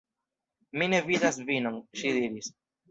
"Mi ne vidas vinon," ŝi diris.